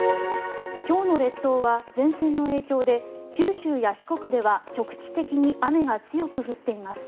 今日の列島は前線の影響で九州や四国では局地的に雨が強く降っています。